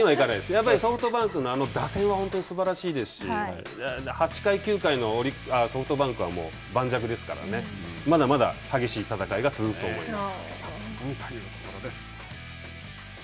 やっぱりソフトバンクの打線は本当にすばらしいですし、８回、９回のソフトバンクは盤石ですからね、まだまだ激しい戦いが続くと思います。